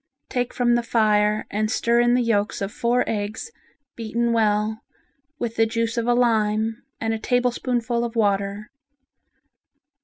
Take from the fire and stir in the yolks of four eggs beaten well with the juice of a lime and a tablespoonful of water.